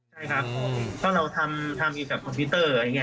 ใช่ครับเพราะเราทำอยู่กับคอมพิวเตอร์